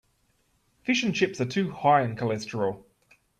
Fish and chips are too high in cholesterol.